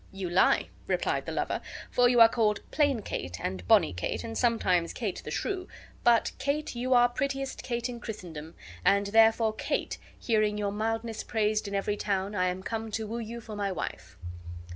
"You lie," replied the lover; "for you are called plain Kate, and bonny Kate, and sometimes Kate the Shrew; but, Kate, you are the prettiest Kate in Christendom, and therefore, Kate, hearing your mildness praised in every town, I am come to woo you for my wife."